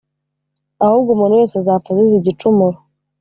Ahubwo umuntu wese azapfa azize igicumuro